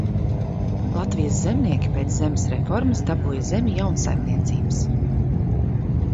Latvijas zemnieki pēc zemes reformas dabūja zemi – jaunsaimniecības.